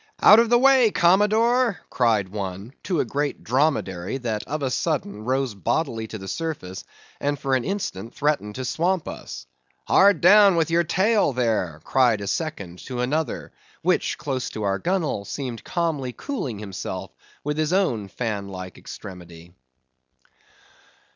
"Out of the way, Commodore!" cried one, to a great dromedary that of a sudden rose bodily to the surface, and for an instant threatened to swamp us. "Hard down with your tail, there!" cried a second to another, which, close to our gunwale, seemed calmly cooling himself with his own fan like extremity.